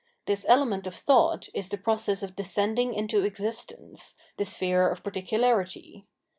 This element of thought is the process of descending into existence, the sphere of particularity.